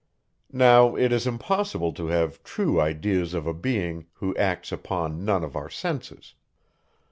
Now, it is impossible to have true ideas of a being, who acts upon none of our senses.